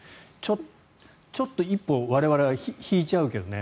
ちょっと一歩我々は引いちゃうけどね。